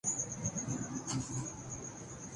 آپ کا نام؟